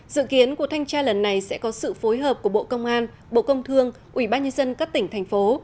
dự kiến của thanh tra lần này sẽ có sự phối hợp của bộ công an bộ công thương ubnd các tỉnh thành phố